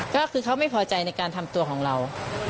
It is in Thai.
ก็คือเขาไม่พอใจในการทำตัวของเรา